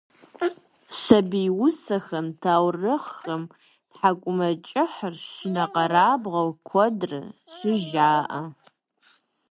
Сабий усэхэм, таурыхъхэм тхьэкIумэкIыхьыр шынэкъэрабгъэу куэдрэ щыжаIэ.